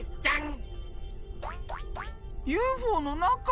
ＵＦＯのなか？